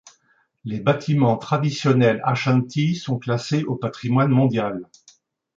Les bâtiments traditionnels ashanti sont classés au Patrimoine mondial.